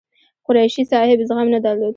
قریشي صاحب زغم نه درلود.